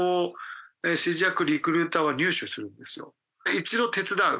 一度手伝う。